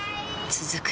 続く